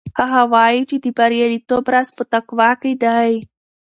هغه وایي چې د بریالیتوب راز په تقوا کې دی.